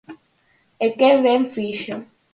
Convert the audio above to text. E que ben fixo.